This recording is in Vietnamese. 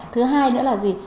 thứ hai nữa là gì